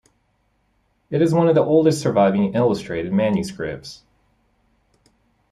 It is one of the oldest surviving illustrated manuscripts.